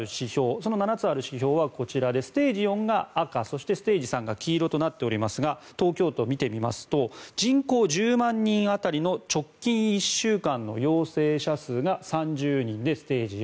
その７つある指標はこちらでステージ４が赤そして、ステージ３が黄色となっていますが東京都を見てみますと人口１０万人当たりの直近１週間の陽性者数が３０人でステージ４。